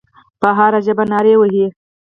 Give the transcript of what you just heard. په هره ژبه نارې وهي.